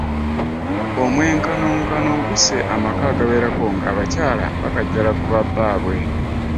Omwenkanonkano gusse amaka agawerako ng’abakyala bakajjala ku babbaabwe.